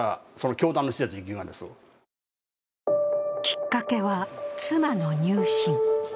きっかけは妻の入信。